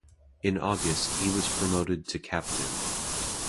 In August, he was promoted to captain.